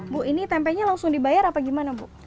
bu ini tempenya langsung dibayar apa gimana bu